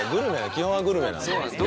基本はグルメなんだよ。